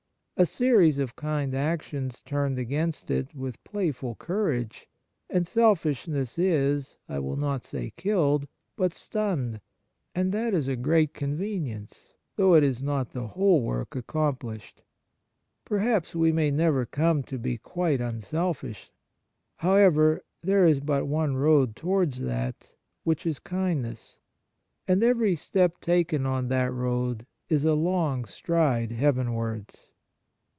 A series of kind actions turned against it with playful courage, and selfishness is, I will not say killed, but stunned, and that is a great convenience, though it is not the whole work accomplished. Perhaps we may On KittdjKss in General 39 never come to be quite unselfish. How ever, there is but one road towards that, which is kindness, and every step taken on that road is a long stride heavenwards.